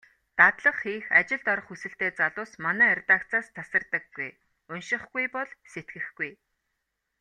Дадлага хийх, ажилд орох хүсэлтэй залуус манай редакцаас тасардаггүй. УНШИХГҮЙ БОЛ СЭТГЭХГҮЙ.